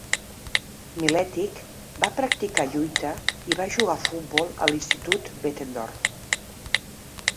Miletich va practicar lluita i va jugar a futbol a l'institut Bettendorf.